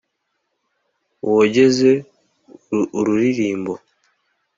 wogeze ururirimbo